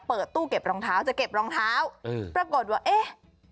เปิดตู้เก็บรองเท้าจะเก็บรองเท้าปรากฏว่าเอ๊ะ